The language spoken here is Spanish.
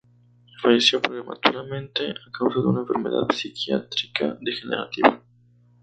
Falleció prematuramente a causa de una enfermedad psiquiátrica degenerativa.